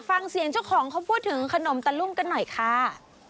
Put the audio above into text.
ฟังเสียงเจ้าของเขาพูดถึงขนมตะลุ่มกันหน่อยค่ะ